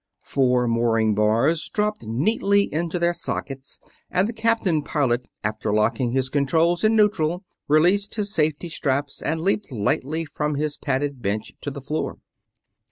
Four mooring bars dropped neatly into their sockets and the captain pilot, after locking his controls in neutral, released his safety straps and leaped lightly from his padded bench to the floor.